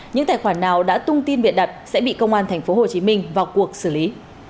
những tài khoản nào đã tung tin biện đặt sẽ bị công an tp hcm vào cuộc xử lý